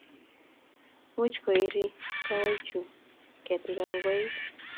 Much koiri kowaikchu ketik ago koik